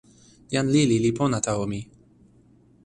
jan lili li pona tawa mi.